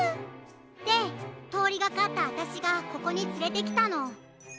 でとおりがかったあたしがここにつれてきたの。